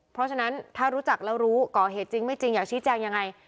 เพราะฉะนั้นถ้ารู้จักแล้วรู้ก่อเหตุจริงไม่จริงอยากชี้แจงยังไง